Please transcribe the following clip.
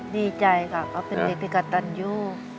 ดีใจค่ะเขาเป็นเด็กที่กระตันอยู่